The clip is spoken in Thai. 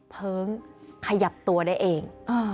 เพลิงขยับตัวได้เอง